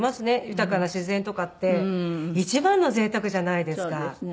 豊かな自然とかって一番の贅沢じゃないですか。